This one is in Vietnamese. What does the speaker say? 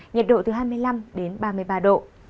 nhiệt độ từ hai mươi năm đến ba mươi ba độ